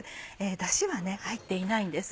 だしは入っていないんです。